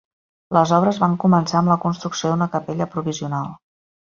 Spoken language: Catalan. Les obres van començar amb la construcció d'una capella provisional.